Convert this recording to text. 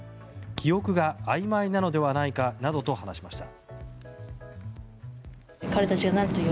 記憶があいまいなのではないかなどと話しました。